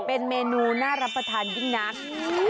เป็นเมนูน่ารับประทานยิ่งนัก